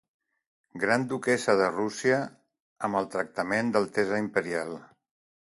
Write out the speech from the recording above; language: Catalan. Gran duquessa de Rússia amb el tractament d'altesa imperial.